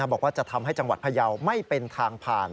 บอกว่าจะทำให้จังหวัดพยาวไม่เป็นทางผ่าน